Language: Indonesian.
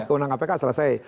kewenangan pk selesai